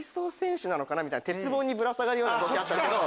鉄棒にぶら下がるような動きあったけど。